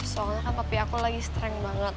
soalnya kan papi aku lagi strenk banget